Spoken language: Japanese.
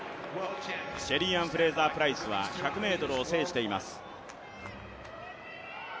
シェリーアン・フレイザー・プライスは１００ｍを制しています。